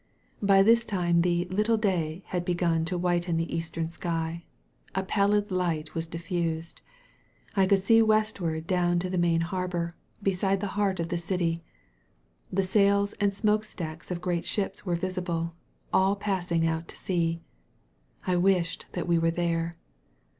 By this time the "little day" had begun to whiten the eastern sky; a pallid light was diffused; I could see westward down to the main harbor, beside the heart of the city. The sails and smoke stacks of great ships were visible, all passing out to sea. I wished that we were there.